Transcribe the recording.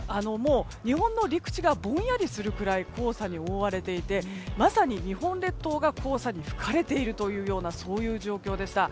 日本の陸地がぼんやりするくらい黄砂に覆われていてまさに日本列島が黄砂に吹かれているような状況でした。